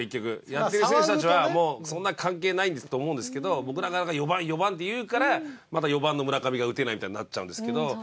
やってる選手たちはそんなの関係ないと思うんですけど僕ら側が４番４番って言うからまた４番の村上が打てないみたいになっちゃうんですけど。